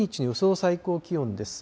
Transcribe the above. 最高気温です。